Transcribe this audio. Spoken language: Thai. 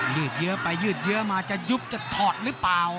ยืดเยอะไปยืดเยอะมาจะยุบจะถอดหรือเปล่า